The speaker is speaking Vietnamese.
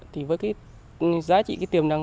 thì với giá trị tiềm năng